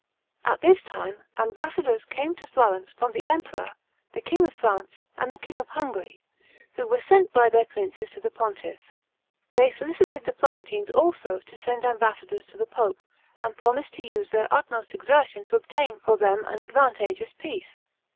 At this time, ambassadors came to Florence from the emperor, the king of France, and the king of Hungary, who were sent by their princes to the pontiff. They solicited the Florentines also to send ambassadors to the pope, and promised to use their utmost exertion to obtain for them an advantageous peace.